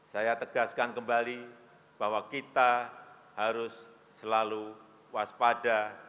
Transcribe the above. saya tegaskan kembali bahwa kita harus selalu waspada